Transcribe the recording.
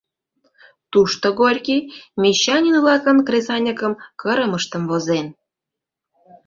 Тушто Горький мещанин-влакын кресаньыкым кырымыштым возен.